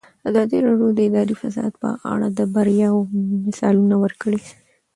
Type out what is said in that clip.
ازادي راډیو د اداري فساد په اړه د بریاوو مثالونه ورکړي.